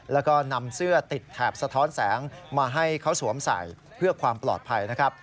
แล้วก็นำเสื้อติดแถบสะท้อนแสงมาให้เขาสวมใส่เพื่อความปลอดภัยนะครับ